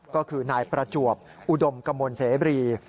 ก็คือนายประจวบอุดมกมลเสบรี